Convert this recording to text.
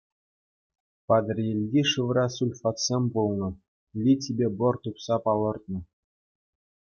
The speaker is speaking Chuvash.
Патӑрьелти шывра сульфатсем пулнӑ, литипе бор тупса палӑртнӑ.